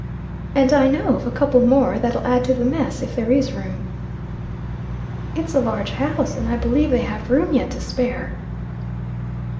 "And I know of a couple more that'll add to the mess, if there is room." "It's a large house, and I believe they have room yet to spare."